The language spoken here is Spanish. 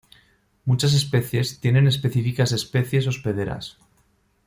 Muchas especies tienen específicas especies hospederas.